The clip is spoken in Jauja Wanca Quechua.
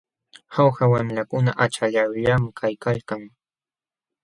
Jauja wamlakuna achallawllam kaykalkan.